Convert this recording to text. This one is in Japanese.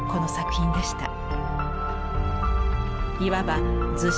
いわば「図式」